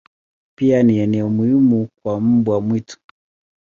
Pia ni eneo muhimu kwa mbwa mwitu.